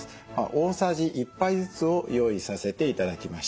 大さじ１杯ずつを用意させて頂きました。